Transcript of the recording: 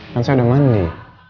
kan saya udah mandi